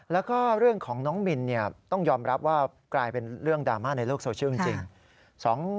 แล้วก็เรื่องของน้องมินต้องยอมรับว่ากลายเป็นเรื่องดราม่าในโลกโซเชียลจริง